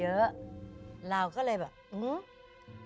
เราก็เลยแบบหืหม